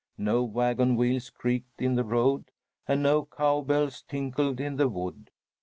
No wagon wheels creaked in the road and no cow bells tinkled in the wood.